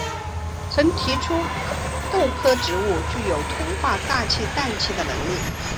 曾提出豆科植物具有同化大气氮气的能力。